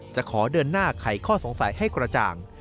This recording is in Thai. จะขอเดินหน้าไขข้อสงสัยให้กระจ่าง